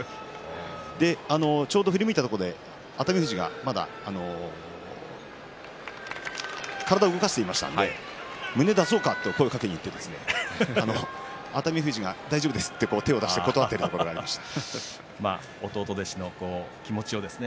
ちょうど振り向いたところで熱海富士がまだ体を動かしていましたので胸を出そうかと声をかけにいって、熱海富士が大丈夫ですと手を出して断っていました。